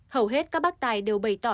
hầu hết các bác tài đều bày tỏ